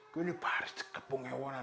kuy ini baris kepung ewanan